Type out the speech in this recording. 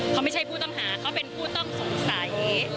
เขาไม่ใช่ผู้ต้องหาเขาเป็นผู้ต้องสงสัย